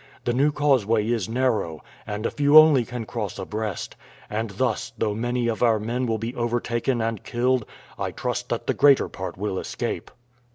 The new causeway is narrow, and a few only can cross abreast, and thus, though many of our men will be overtaken and killed, I trust that the greater part will escape."